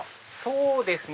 そうですね。